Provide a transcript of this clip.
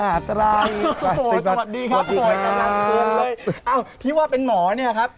อ้าวพี่ว่าเป็นหมอนี่ครับ